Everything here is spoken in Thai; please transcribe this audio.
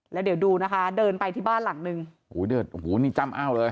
แล้วเดี๋ยวดูนะคะเดินไปที่บ้านหลังหนึ่งโอ้โหนี่จ้ำเอ้าเลย